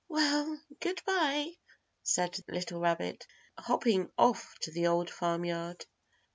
"Well, goodby," said the little rabbit, hopping off to the Old Farm Yard.